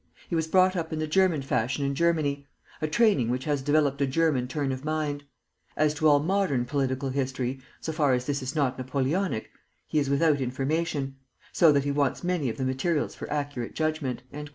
He was brought up in the German fashion in Germany, a training which has developed a German turn of mind. As to all modern political history, so far as this is not Napoleonic, he is without information; so that he wants many of the materials for accurate judgment."